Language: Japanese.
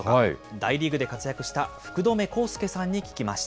大リーグで活躍した福留孝介さんに聞きました。